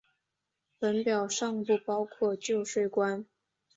本表尚不包括旧税关。